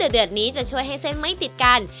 เดือดนี้จะช่วยให้เส้นไม่ติดกัน